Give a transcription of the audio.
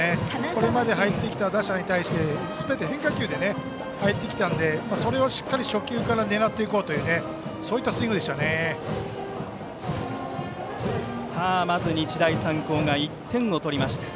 これまで入ってきた打者に対してすべて変化球で入ってきたので、それをしっかり初球から狙っていこうというまず日大三高が１点を取りました。